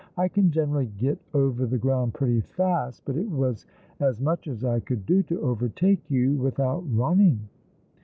" I can generally get over the ground pretty fast, but it was as much as I could do to overtake you without running."